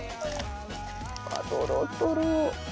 とろとろ！